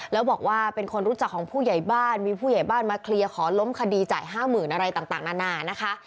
แล้วบอกว่าเป็นคนรู้จักของผู้ใหญ่บ้านมีผู้ใหญ่บ้านมาเคลียร์ขอล้มคดีจ่าย๕๐๐๐อะไรต่างนานานะคะ